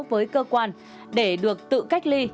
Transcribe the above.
với cơ quan để được tự cách ly